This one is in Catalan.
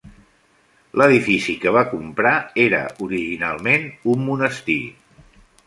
L'edifici que va comprar era originalment un monestir.